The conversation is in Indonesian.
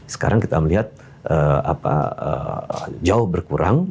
sekarang kita melihat jauh berkurang